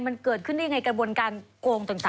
มันเกิดขึ้นได้ยังไงกระบวนการโกงต่าง